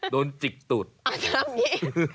โดนจิกตุ๊ดอ๋อทำอย่างนี้